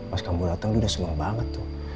pas kamu dateng udah seneng banget tuh